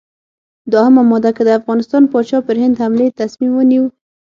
دوهمه ماده: که د افغانستان پاچا پر هند حملې تصمیم ونیو.